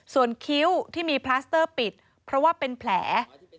ส่วนคิ้วที่มีพลาสเตอร์ปิดเพราะว่าเป็นแผล